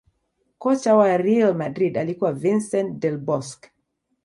Kocha wa real madrid alikuwa Vincent Del Bosque